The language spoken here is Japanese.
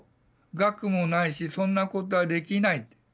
学もないしそんなことはできない。